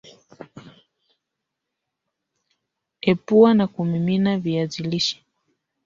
Epua na kumimina viazi lishe